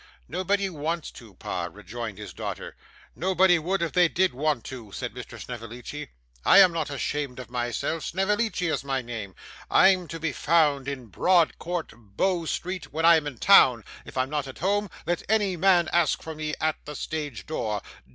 'Nobody wants to, pa,' rejoined his daughter. 'Nobody would if they did want to,' said Mr. Snevellicci. 'I am not ashamed of myself, Snevellicci is my name; I'm to be found in Broad Court, Bow Street, when I'm in town. If I'm not at home, let any man ask for me at the stage door.